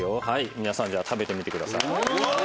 皆さん食べてみてください。